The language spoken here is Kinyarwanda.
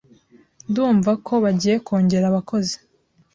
Ndumva ko bagiye kongera abakozi.